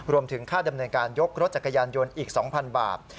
รวมถึงค่าดำเนินการยกรถจักรยานยนต์อีก๒๐๐บาท